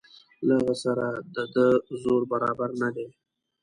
له هغه سره د ده زور برابر نه دی.